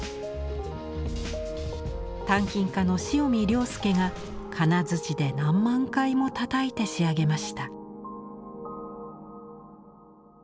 鍛金家の塩見亮介がかなづちで何万回もたたいて仕上げました。